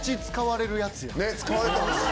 ねっ使われてほしい。